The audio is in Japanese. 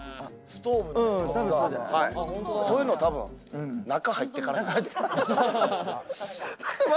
そういうの多分、中入ってからやから。